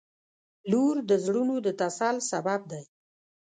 • لور د زړونو د تسل سبب دی.